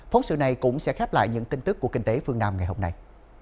phóng sự này cũng sẽ khép lại những tin tức của kinh tế phương nam ngày hôm nay